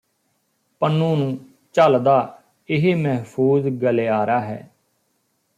ਪੰਨੂ ਨੂੰ ਝੱਲਦਾ ਇਹ ਮਹਿਫੂਜ਼ ਗਲਿਆਰਾ ਹੈ